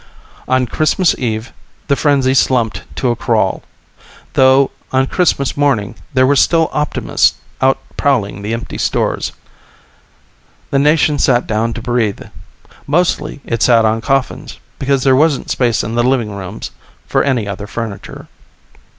On Christmas Eve the frenzy slumped to a crawl, though on Christmas morning there were still optimists out prowling the empty stores. The nation sat down to breathe. Mostly it sat on coffins, because there wasn't space in the living rooms for any other furniture.